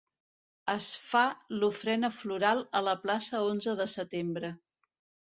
Es fa l'ofrena floral a la plaça onze de setembre.